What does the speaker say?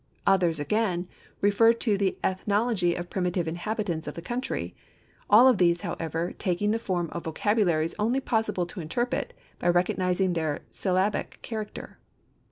Others again, refer to the ethnology of primitive inhabitants of the country; all of these, however, taking the form of vocabularies only possible to interpret by recognizing their syllabic character.